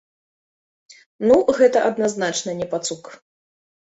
Ну, гэта адназначна не пацук.